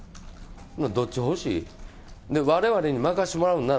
どっち欲しい、われわれに任せてもらうんなら